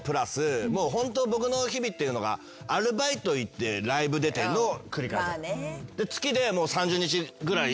もうホント僕の日々っていうのがアルバイト行ってライブ出ての繰り返し。